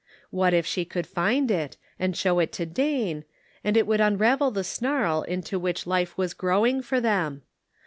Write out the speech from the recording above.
What if she could find it, and show it to Dane, and it would unravel the snarl into which life was growing for them